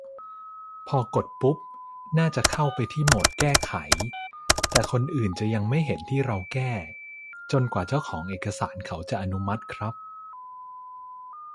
พอกดปุ๊บ น่าจะเข้าไปที่โหมดแก้ไข แต่คนอื่นจะยังไม่เห็นที่เราแก้ จนกว่าเจ้าของเอกสารเขาจะอนุมัติครับ